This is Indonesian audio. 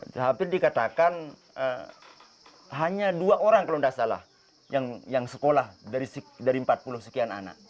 tapi dikatakan hanya dua orang kalau tidak salah yang sekolah dari empat puluh sekian anak